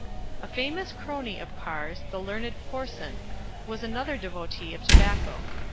A famous crony of Parr's, the learned Porson, was another devotee of tobacco.